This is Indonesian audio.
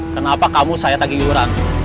kenapa kamu saya tagih yuran